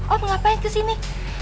om ngapain kesini